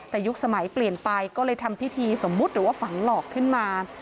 แต่ยุคสมัยเปลี่ยนไปก็เลยทำพิธีสมมุติหรือว่าฝังหลอกขึ้นมา